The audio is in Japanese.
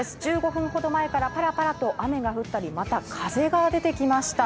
１５分ほど前からパラパラと雨が降ったり、また、風が出てきました。